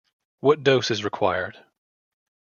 What dose is required?